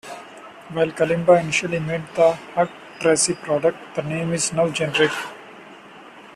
While kalimba initially meant the Hugh Tracey product, the name is now generic.